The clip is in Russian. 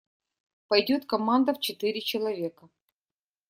Пойдет команда в четыре человека.